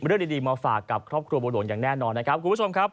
เรื่องดีมาฝากกับครอบครัวบัวหลวงภาระตะอย่างแน่นอน